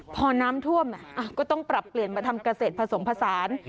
พอน้ำท่วมก็ต้องปรับเปลี่ยนมาทำเกษตรผสมผสาน